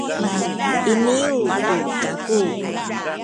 iniyu tu kaku